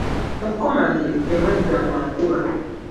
Mu kkomagiro temweggamwa nkuba.